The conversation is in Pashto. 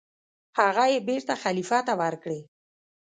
هغه یې بېرته خلیفه ته ورکړې.